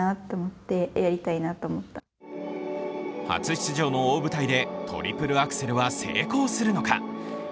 初出場の大舞台でトリプルアクセルは成功するのか。